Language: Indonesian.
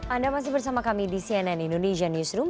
anda masih bersama kami di cnn indonesia newsroom